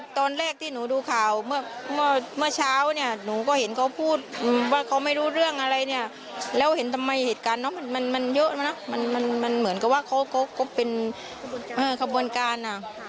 ตอนแรกที่หนูดูข่าวเมื่อเช้าเนี่ยหนูก็เห็นเขาพูดว่าเขาไม่รู้เรื่องอะไรเนี่ยแล้วเห็นทำไมเหตุการณ์เนาะมันเยอะนะมันเหมือนกับว่าเขาก็เป็นขบวนการอ่ะ